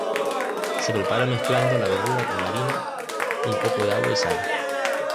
Se prepara mezclando la verdura con harina, un poco de agua y sal.